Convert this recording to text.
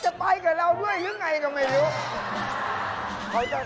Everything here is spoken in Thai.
จะไปกับเราด้วยหรือไงก็ไม่รู้